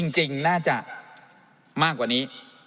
จริงน่าจะมากกว่านี้